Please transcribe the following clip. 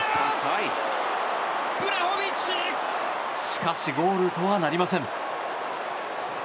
しかし、ゴールとはなりません。